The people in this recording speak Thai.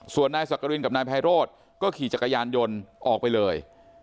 ส่วนนายสักกรินกับนายไพโรธก็ขี่จักรยานยนต์ออกไปเลย